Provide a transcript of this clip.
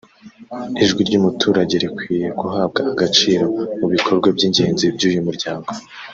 ijwi ry’umuturage rikwiye guhabwa agaciro mu bikorwa by’ingenzi by’uyu muryango